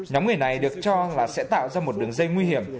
nhóm người này được cho là sẽ tạo ra một đường dây nguy hiểm